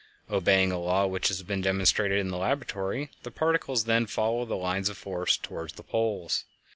Obeying a law which has been demonstrated in the laboratory, the particles then follow the lines of force toward the poles.